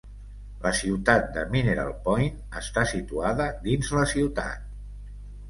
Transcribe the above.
La ciutat de Mineral Point està situada dins la ciutat.